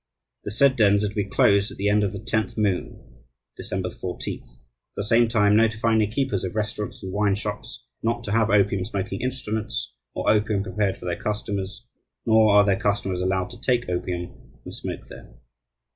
The said dens are to be closed at the end of the Tenth Moon (December 14th), at the same time notifying the keepers of restaurants and wine shops not to have opium smoking instruments or opium prepared for their customers, nor are their customers allowed to take opium and smoke there.